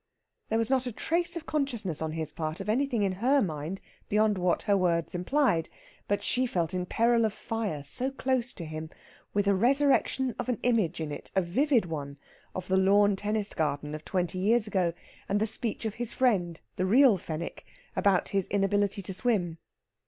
There was not a trace of consciousness on his part of anything in her mind beyond what her words implied. But she felt in peril of fire, so close to him, with a resurrection of an image in it a vivid one of the lawn tennis garden of twenty years ago, and the speech of his friend, the real Fenwick, about his inability to swim.